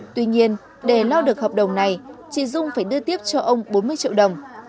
tuy nhiên để lo được hợp đồng này chị dung phải đưa tiếp cho ông bốn mươi triệu đồng